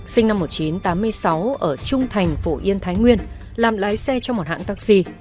sinh năm một nghìn chín trăm tám mươi sáu ở trung thành phổ yên thái nguyên làm lái xe cho một hãng taxi